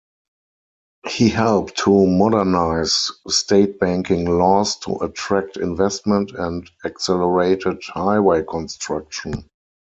He helped to modernize state banking laws to attract investment and accelerated highway construction.